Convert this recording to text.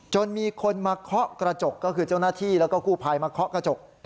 จนมีคนมาเคาะกระจกก็คือเจ้าหน้าที่แล้วก็กู้ภัยมาเคาะกระจก